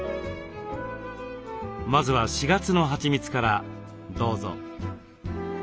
まずは４月のはちみつからどうぞ。